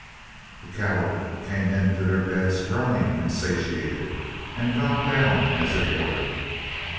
The cattle came in to their beds groaning and satiated, and dropped down as if ordered.